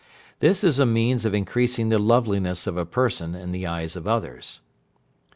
This is a means of increasing the loveliness of a person in the eyes of others.